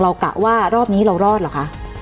กะว่ารอบนี้เรารอดเหรอคะ